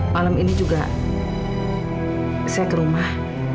malam ini juga saya ke rumah